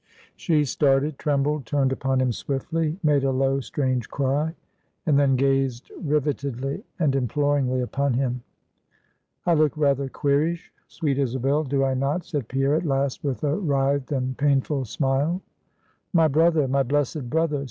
She started, trembled, turned upon him swiftly, made a low, strange cry, and then gazed rivetedly and imploringly upon him. "I look rather queerish, sweet Isabel, do I not?" said Pierre at last with a writhed and painful smile. "My brother, my blessed brother!